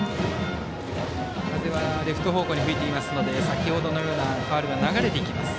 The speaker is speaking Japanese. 風はレフト方向に吹いていますので先程のようなファウルは流れていきます。